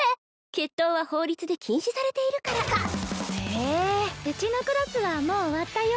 決闘は法律で禁止されているからへえうちのクラスはもう終わったよ